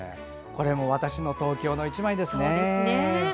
これも「わたしの東京」の１枚ですね。